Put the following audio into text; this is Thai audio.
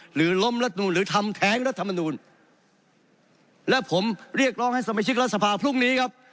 หรือล้มรัฐนูลหรือทำแท้งรัฐมนูลและผมเรียกร้องให้สมาชิกรัฐสภาพรุ่งนี้ครับ